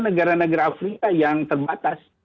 negara negara afrika yang terbatas